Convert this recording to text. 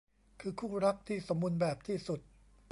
คือคู่รักที่สมบูรณ์แบบที่สุด